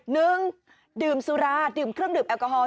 หนึ่งดื่มสุราดื่มเครื่องดื่มแอลกอฮอล